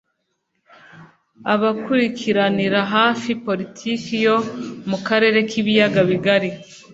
abakurikiranira hafi politiki yo mu karere k’ibiyaga bigari